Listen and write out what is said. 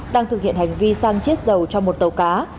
đang thực hiện hành vi xăng chiết dầu cho một tàu cá